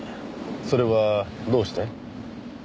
それはどうして？